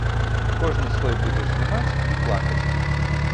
Кожны слой будзеш здымаць і плакаць.